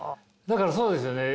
だからそうですよね